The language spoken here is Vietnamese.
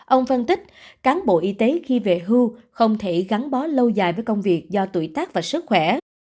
ông phân tích cán bộ y tế khi về hưu không thể gắn bó lâu dài với công việc do tuổi tác và sức khỏe